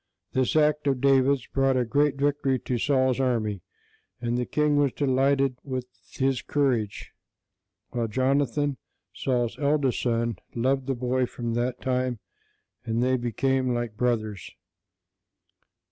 This act of David's brought a great victory to Saul's army, and the king was delighted with his courage; while Jonathan, Saul's eldest son, loved the boy from that time, and they became like brothers.